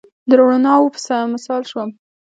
د روڼاوو په مثال شوم